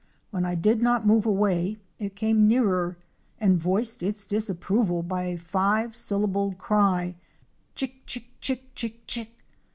When I did not move away it came nearer and voiced its disapproval by a five syllabled cry, chik chik chik chik chik!